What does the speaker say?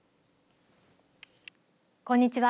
こんにちは。